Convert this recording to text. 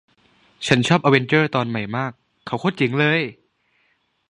ฉันชอบอเวนเจอร์ตอนใหม่มาด เขาโคตรเจ๋งเลย